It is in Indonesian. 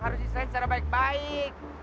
harus desain secara baik baik